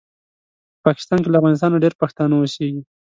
په پاکستان کې له افغانستانه ډېر پښتانه اوسیږي